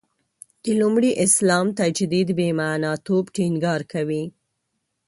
د لومړي اسلام تجدید «بې معنا» توب ټینګار کوي.